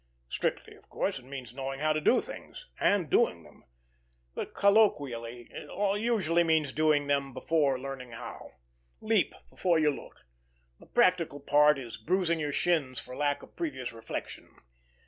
Strictly, of course, it means knowing how to do things, and doing them; but colloquially it usually means doing them before learning how. Leap before you look. The practical part is bruising your shins for lack of previous reflection.